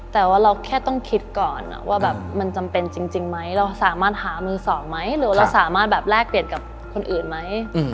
แต่ว่าเราแค่ต้องคิดก่อนว่าแบบมันจำเป็นจริงไหมเราสามารถหามือสองไหมหรือว่าเราสามารถแบบแลกเปลี่ยนกับคนอื่นไหม